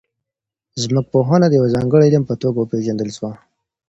ځمکپوهنه د یو ځانګړي علم په توګه وپیژندل سوه.